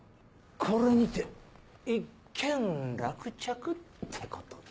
これにて一件落着ってことで。